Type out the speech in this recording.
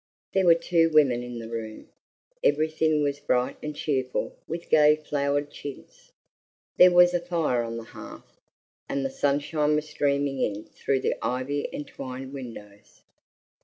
There were two women in the room. Everything was bright and cheerful with gay flowered chintz. There was a fire on the hearth, and the sunshine was streaming in through the ivy entwined windows.